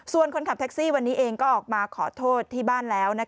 ส่วนคนขับแท็กซี่วันนี้เองก็ออกมาขอโทษที่บ้านแล้ว